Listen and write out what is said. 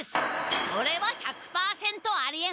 それは１００％ありえん！